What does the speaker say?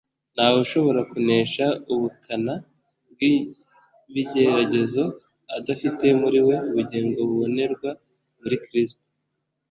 Ntawe ushobora kunesha ubukana bw'ibigeragezo adafite muri we ubugingo bubonerwa muri Kristo.